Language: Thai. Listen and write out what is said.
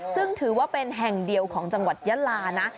ซึ่งถือว่าเป็นแห่งเดียวของจังหวัดยะลานะ